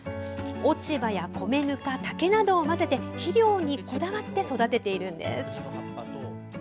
落ち葉や米ぬか、竹などを混ぜて肥料にこだわって育てているんです。